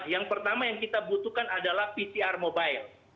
yang pertama yang kita butuhkan adalah pcr mobile